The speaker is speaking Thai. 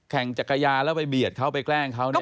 จักรยานแล้วไปเบียดเขาไปแกล้งเขาเนี่ย